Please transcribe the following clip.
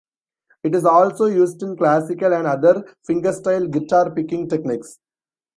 It is also used in classical and other fingerstyle guitar picking techniques.